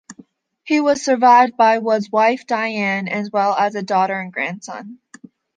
He was survived by was wife Diane, as well as a daughter and grandson.